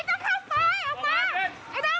ใช่มันลำมันแล้วเป็นพลัติกเป็นไม้น่ะ